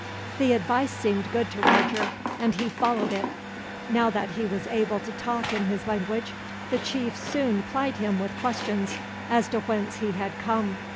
The advice seemed good to Roger, and he followed it. Now that he was able to talk in his language, the chief soon plied him with questions as to whence he had come.